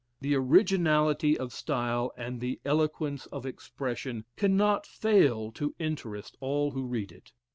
The originality of style, and the eloquence of expression, cannot fail to interest all who read it.